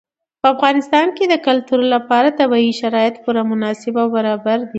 په افغانستان کې د کلتور لپاره طبیعي شرایط پوره مناسب او برابر دي.